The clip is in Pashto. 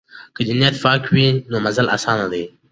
که نیت پاک وي نو منزل آسانه دی.